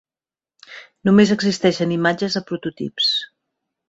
Només existeixen imatges de prototips.